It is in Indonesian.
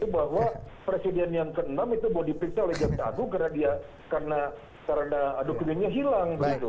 bahwa presiden yang ke enam itu boleh diperiksa oleh dekat sagung karena dokumennya hilang